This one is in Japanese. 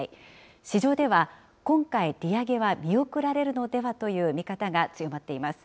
市場では今回、利上げは見送られるのではとの見方が強まっています。